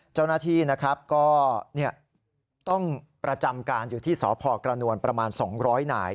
เจ้าหน้าที่นะครับก็ต้องประจำการอยู่ที่สพกระนวลประมาณ๒๐๐นาย